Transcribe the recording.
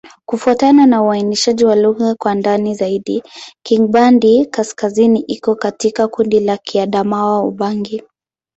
Kufuatana na uainishaji wa lugha kwa ndani zaidi, Kingbandi-Kaskazini iko katika kundi la Kiadamawa-Ubangi.